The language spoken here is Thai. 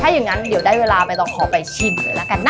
อย่างนั้นเดี๋ยวได้เวลาใบตองขอไปชิมเลยละกันนะ